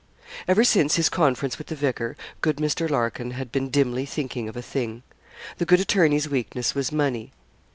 Ever since his conference with the vicar, good Mr. Larkin had been dimly thinking of a thing. The good attorney's weakness was money.